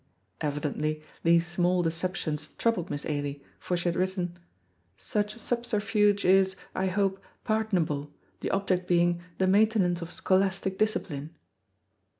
Evidently these small deceptions troubled Miss Ailie, for she had written, "Such subterfuge is, I hope, pardonable, the object being the maintenance of scholastic discipline."